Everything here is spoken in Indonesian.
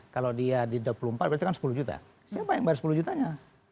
kalau dia di dua puluh empat berarti kan sepuluh juta siapa yang bayar sepuluh jutanya